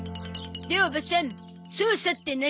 でおばさん捜査って何？